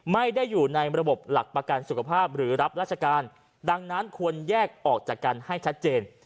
ไม่ได้อยู่ในระบบหลักประกันสุขภาพหรือรับราชการดังนั้นควรแยกออกจากกันให้ชัดเจน